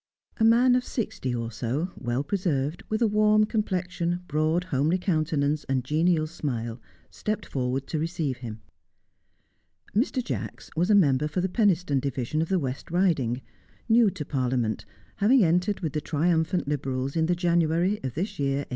A man of sixty or so, well preserved, with a warm complexion, broad homely countenance and genial smile, stepped forward to receive him. Mr. Jacks was member for the Penistone Division of the West Riding; new to Parliament, having entered with the triumphant Liberals in the January of this year 1886.